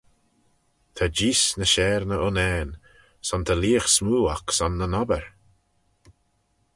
"Ta jees ny share na unnane; son ta leagh smoo oc son nyn obbyr."